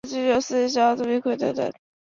本种果实因具刺状物而得名刺蒺藜。